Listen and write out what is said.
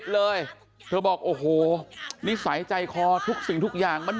ดูท่าทางฝ่ายภรรยาหลวงประธานบริษัทจะมีความสุขที่สุดเลยนะเนี่ย